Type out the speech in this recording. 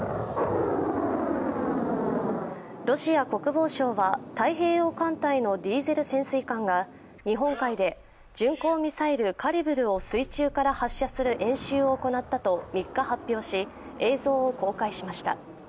ロシア国防省は３日、太平洋艦隊のディーゼル潜水艦が日本海で巡航ミサイル・カリブルを水中から発射する演習を行ったと３日、発表し、映像を公開しました。